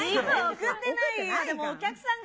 送ってないんだ。